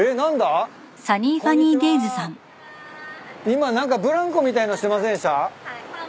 今何かブランコみたいのしてませんでした？